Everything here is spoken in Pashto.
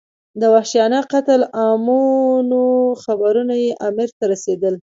د وحشیانه قتل عامونو خبرونه یې امیر ته رسېدل.